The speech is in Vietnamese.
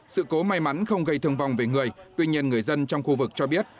sự cố may mắn không gây thương vong về người tuy nhiên người dân trong khu vực cho biết